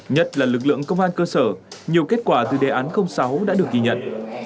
nhất là lực lượng công an cơ sở nhiều kết quả từ đề án sáu đã được ghi nhận